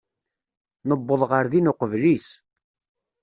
Nuweḍ ɣer din uqbel-is.